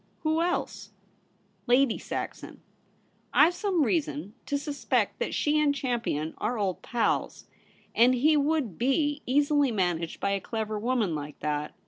Who else ?'' Lady Saxon. I've some reason to sus pect that she and Champion are old pals, and he would be easily managed by a clever woman like that.'